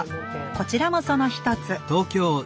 こちらもその一つ。